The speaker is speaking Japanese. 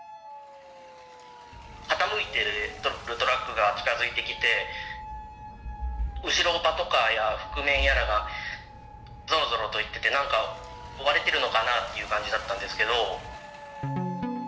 傾いてるトラックが近づいてきて、後ろをパトカーや覆面やらがぞろぞろと行ってて、なんか追われてるのかなという感じだったんですけど。